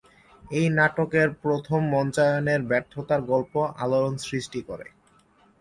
এই নাটকের প্রথম মঞ্চায়নের ব্যর্থতার গল্প আলোড়ন সৃষ্টি করে।